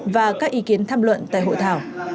và các ý kiến thăm luận tại hội thảo